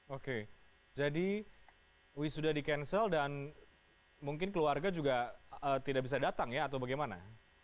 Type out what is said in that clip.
oke jadi wisuda di cancel dan mungkin keluarga juga tidak bisa datang ya atau bagaimana